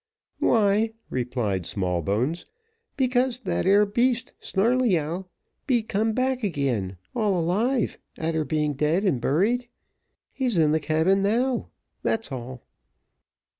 "Why," replied Smallbones, "because that 'ere beast, Snarleyyow, be come back again, all alive, a'ter being dead and buried he's in the cabin now that's all."